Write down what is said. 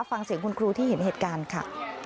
ฟังเสียงคุณครูที่เห็นเหตุการณ์ค่ะ